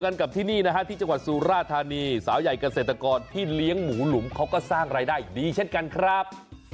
กันกับที่นี่นะฮะที่จังหวัดสุราธานีสาวใหญ่เกษตรกรที่เลี้ยงหมูหลุมเขาก็สร้างรายได้ดีเช่นกันครับ